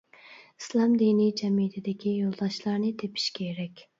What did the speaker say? ئىسلام دىنىي جەمئىيىتىدىكى يولداشلارنى تېپىش كېرەك.